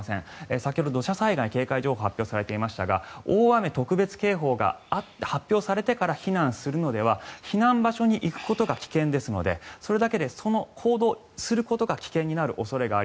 先ほど土砂災害警戒情報が発表されていましたが大雨特別警報が発表されてから避難するのでは避難場所に行くことが危険ですのでそれだけでその行動をすることが危険になります。